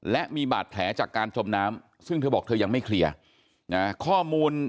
และมีบาดแผลจากการจมน้ำซึ่งเธอบอกเธอยังไม่เคลียร์นะข้อมูล